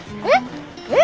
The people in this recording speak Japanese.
えっ！